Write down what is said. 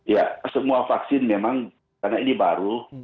ya semua vaksin memang karena ini baru